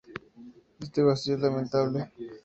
Este vacío es lamentable.